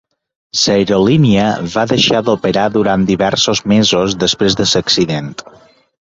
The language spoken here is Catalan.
L'aerolínia va deixar d'operar durant diversos mesos després de l'accident.